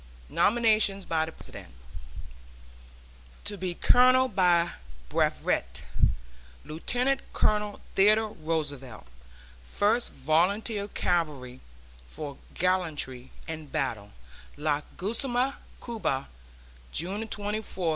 NOMINATIONS BY THE PRESIDENT To be Colonel by Brevet Lieutenant Colonel Theodore Roosevelt, First Volunteer Cavalry, for gallantry in battle, Las Guasima, Cuba, June 24, 1898.